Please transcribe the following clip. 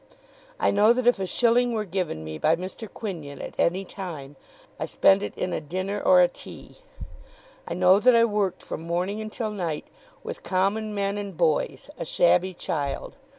I know that if a shilling were given me by Mr. Quinion at any time, I spent it in a dinner or a tea. I know that I worked, from morning until night, with common men and boys, a shabby child.